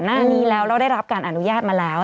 หน้านี้แล้วแล้วได้รับการอนุญาตมาแล้ว